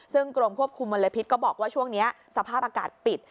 ซึ่งกรมควบคุมมลพิษก็บอกว่าช่วงนี้สภาพอากาศปิด